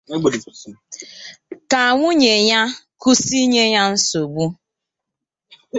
ka nwunye ya wee kwụsị inye ya nsogbu.